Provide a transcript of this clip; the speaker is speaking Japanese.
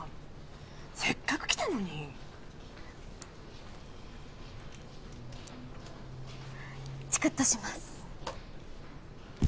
せっかく来てんのにチクッとします